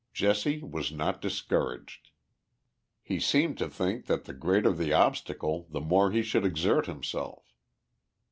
Jesse was not discouraged. He seemed to think that the greater the obstacle the more he should exert himself.